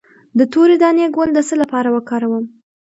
د تورې دانې ګل د څه لپاره وکاروم؟